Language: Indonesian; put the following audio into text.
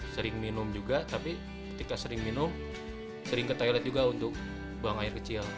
sering minum juga tapi ketika sering minum sering ke toilet juga untuk buang air kecil